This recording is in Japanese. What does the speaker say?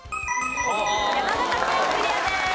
山形県クリアです。